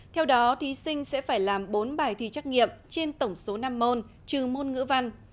theo đó thí sinh sẽ phải làm bốn bài thi trắc nghiệm trên tổng số năm môn trừ môn ngữ văn